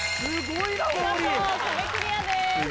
見事壁クリアです。